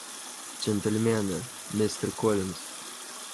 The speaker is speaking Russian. Джентльмены, мистер Коллинс.